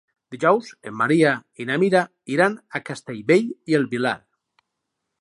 Dijous en Maria i na Mira iran a Castellbell i el Vilar.